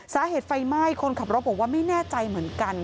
สาเหตุไฟไหม้คนขับรถบอกว่าไม่แน่ใจเหมือนกัน